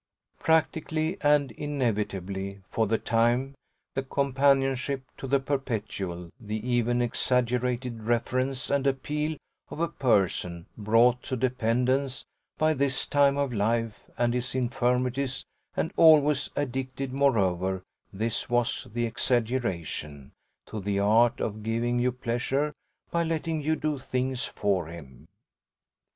Practically and inevitably, for the time, to companionship, to the perpetual, the even exaggerated reference and appeal of a person brought to dependence by his time of life and his infirmities and always addicted moreover this was the exaggeration to the art of giving you pleasure by letting you do things for him.